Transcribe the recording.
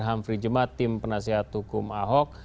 hamfri jema tim penasihat hukum ahok